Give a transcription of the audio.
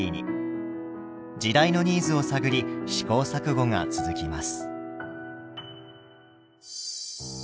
時代のニーズを探り試行錯誤が続きます。